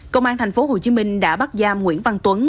công an tp hcm đã bắt giam nguyễn văn tuấn